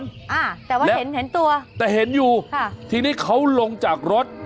แต่ว่าเห็นตัวแต่เห็นอยู่ทีนี้เขาลงจากรถ